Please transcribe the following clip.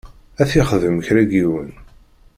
Ad t-yexdem kra n yiwen.